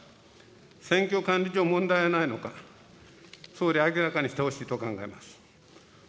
選挙管理上問題はないのか、総理、明らかにしてほしいと考えます。